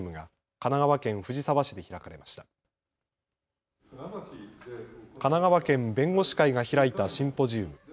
神奈川県弁護士会が開いたシンポジウム。